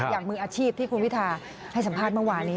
มืออาชีพที่คุณวิทาให้สัมภาษณ์เมื่อวานี้